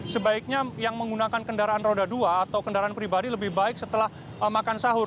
sebaiknya yang menggunakan kendaraan roda dua atau kendaraan pribadi lebih baik setelah makan sahur